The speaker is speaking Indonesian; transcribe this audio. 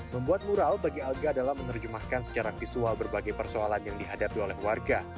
membuat mural bagi alga adalah menerjemahkan secara visual berbagai persoalan yang dihadapi oleh warga